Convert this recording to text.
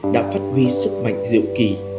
đã phát huy sức mạnh dịu kỳ